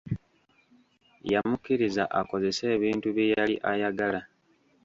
Yamukkiriza akozese ebintu bye yali ayagala.